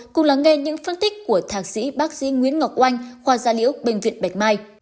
cùng lắng nghe những phân tích của thạc sĩ bác sĩ nguyễn ngọc oanh khoa gia liễu bệnh viện bạch mai